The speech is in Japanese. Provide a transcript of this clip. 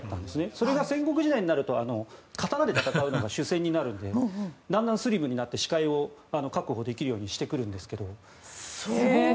それが戦国時代になると刀で戦うのが主戦になるのでだんだんスリムになって視界を確保できるようにしてくるんですけど。